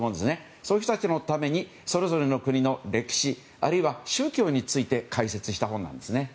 そうした人たちのためにそれぞれの国の歴史あるいは宗教について解説した本なんです。